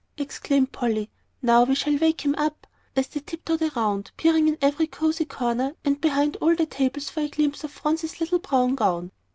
exclaimed Polly; "now we shall wake him up," as they tiptoed around, peering in every cosey corner and behind all the tables for a glimpse of Phronsie's little brown gown.